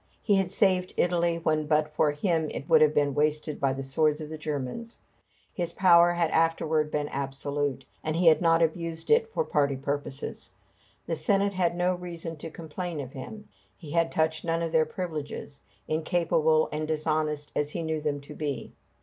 He had saved Italy when but for him it would have been wasted by the swords of the Germans. His power had afterward been absolute, but he had not abused it for party purposes. The Senate had no reason to complain of him. He had touched none of their privileges, incapable and dishonest as he knew them to be.